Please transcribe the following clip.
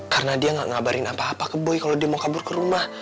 karena dia nggak ngabarin apa apa ke boy kalau dia mau kabur ke rumah